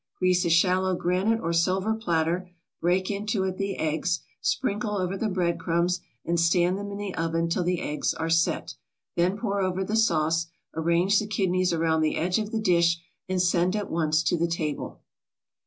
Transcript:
Grease a shallow granite or silver platter, break into it the eggs, sprinkle over the bread crumbs and stand them in the oven until the eggs are "set," then pour over the sauce, arrange the kidneys around the edge of the dish and send at once to the table.